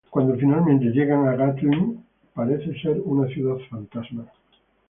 Cuando finalmente llegan a Gatlin, parece ser una ciudad fantasma.